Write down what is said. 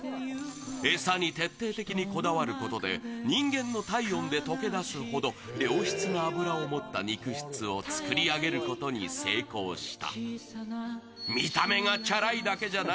餌に徹底的にこだわることで人間の体温で溶け出すほど良質な脂を持った肉質を作り上げることに成功した。